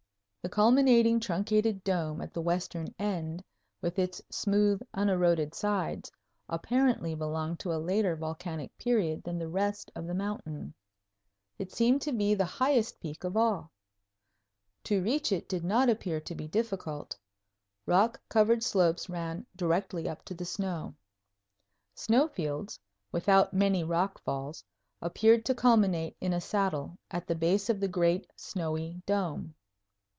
The culminating truncated dome at the western end, with its smooth, uneroded sides, apparently belonged to a later volcanic period than the rest of the mountain. It seemed to be the highest peak of all. To reach it did not appear to be difficult. Rock covered slopes ran directly up to the snow. Snow fields, without many rock falls, appeared to culminate in a saddle at the base of the great snowy dome.